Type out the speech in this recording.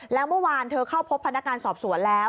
แล้วเมื่อวานเธอเข้าพบพนักงานสอบสวนแล้ว